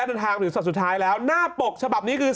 เดินทางถึงสัตว์สุดท้ายแล้วหน้าปกฉบับนี้คือ